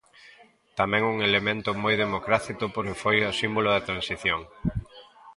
Tamén un elemento moi democrático porque foi o símbolo da transición.